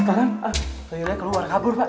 sekarang tuyulnya keluar kabur pak